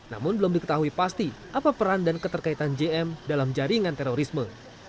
namun belum diketahui pasti apa peran dan keterkaitan jm dalam jaringan terorisme